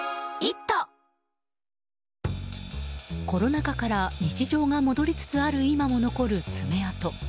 コロナ禍から日常が戻りつつある今も残る爪痕。